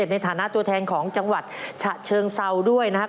ในฐานะตัวแทนของจังหวัดฉะเชิงเซาด้วยนะครับ